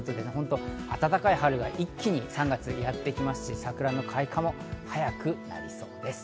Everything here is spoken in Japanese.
暖かい春が一気に３月にやってきますし、桜の開花も早くなりそうです。